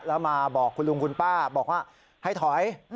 แล้วมาบอกคุณลุงคุณป้าบอกว่าให้ถอย